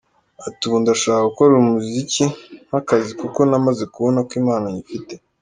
Ati “Ubu ndashaka gukora umuziki nk’akazi kuko namaze kubona ko impano nyifite.